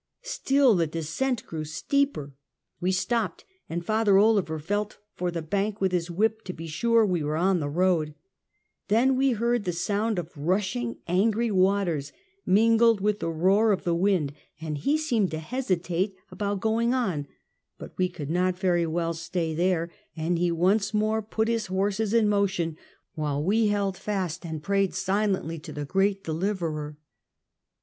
Still the descent grew steeper. We stopped, and Father Clever felt for the bank with his whip to be sure we were on the road. Then we heard the sound of rushing, angry waters, mingled with the roar of the wind, and he seemed to hesitate about going on, but we could not very well stay there, and he once more put his horses in motion, while we held fast and prayed Go TO BoAEDiNa School. 23 silently to the great Deliverer.